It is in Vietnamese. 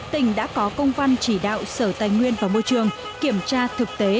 tỉnh đã có công văn chỉ đạo sở tài nguyên và môi trường kiểm tra thực tế